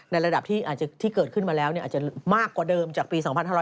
ในระดับที่เกิดขึ้นมาแล้วอาจจะมากกว่าเดิมจากปี๒๒๒๓